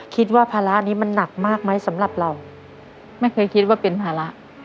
คิดว่าภาระนี้มันหนักมากไหมสำหรับเราไม่เคยคิดว่าเป็นภาระ